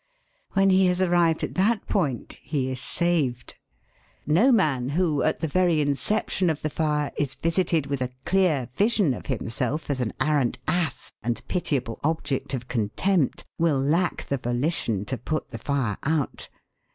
When he has arrived at that point he is saved. No man who, at the very inception of the fire, is visited with a clear vision of himself as an arrant ass and pitiable object of contempt, will lack the volition to put the fire out.